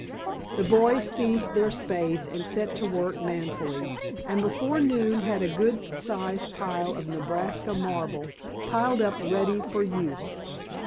The boys seized their spades and set to work manfully, and before noon had a good sized pile of "Nebraska marble" piled up ready for use.